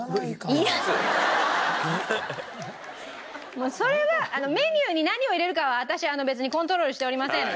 もうそれはメニューに何を入れるかは私別にコントロールしておりませんので。